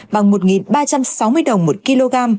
bằng một ba trăm sáu mươi đồng một kg